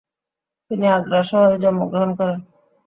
তিনি আগ্রা সহরে জন্মগ্রহণ করেন।